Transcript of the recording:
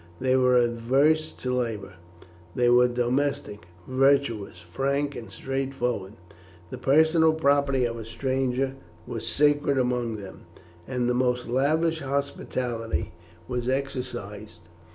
They were averse to labour. They were domestic, virtuous, frank, and straightforward. The personal property of a stranger was sacred among them, and the most lavish hospitality was exercised.